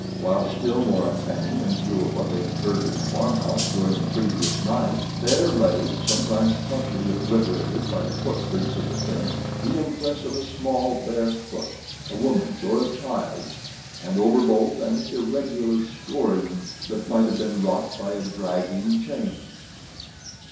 While, still more uncanny, in view of what they had heard in the farm house during the previous night, there lay, sometimes partially obliterated by the footprints of the THING, the impress of a small, bare foot a woman's or a child's and over both an irregular scoring that might have been wrought by a dragging chain!